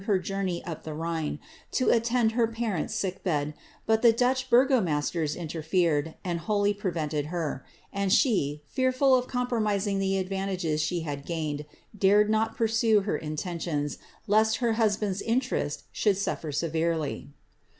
her journey up the Rhine, to attend her parentis sick bed, but tlie Dutch burgomaBtera interfered, and wholly prevented her;* and she, fearful of compromising the advantages slie had gained, dared not pursue her in tentions, lest her husband^s interest should sutler severely.